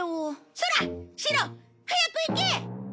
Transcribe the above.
そら白！早く行け！